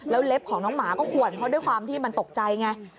เล็บของน้องหมาก็ขวนเพราะด้วยความที่มันตกใจไง